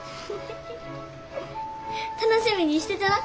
楽しみにしててな！